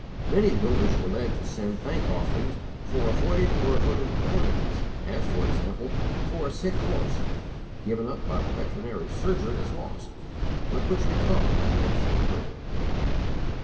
Many donors were led to send thank offerings for avoided or averted calamities: as, for example, for a sick horse, given up by the veterinary surgeon as lost, but which recovered in answer to prayer.